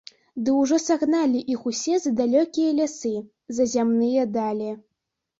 Ды ўжо сагнаў іх усе за далёкія лясы, за зямныя далі.